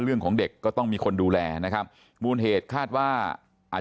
เรื่องของเด็กก็ต้องมีคนดูแลนะครับมูลเหตุคาดว่าอาจ